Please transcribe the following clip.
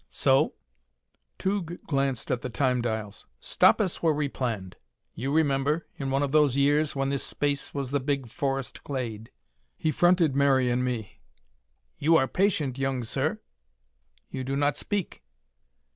"So?" Tugh glanced at the Time dials. "Stop us where we planned. You remember in one of those years when this space was the big forest glade." He fronted Mary and me. "You are patient, young sir. You do not speak."